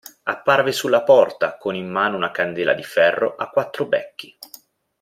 Apparve sulla porta, con in mano una candela di ferro a quattro becchi.